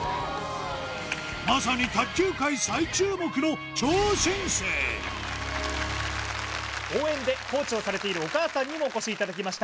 まさに卓球界応援でコーチをされているお母さんにもお越しいただきました